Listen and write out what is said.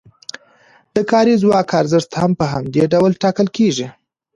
د کاري ځواک ارزښت هم په همدې ډول ټاکل کیږي.